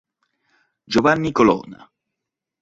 Giovanni Colonna